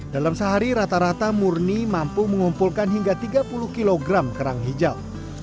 dalam sehari rata rata murni mampu mengumpulkan hingga tiga puluh kg kerang hijau